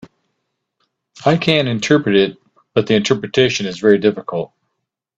I can interpret it, but the interpretation is very difficult.